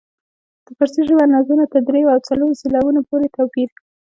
د فارسي ژبې نظمونو تر دریو او څلورو سېلابونو پورې توپیر.